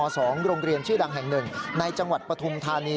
โรงเรียนชื่อดังแห่งหนึ่งในจังหวัดปฐุมธานี